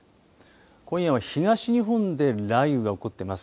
今夜は東日本で雷雨が起こっています。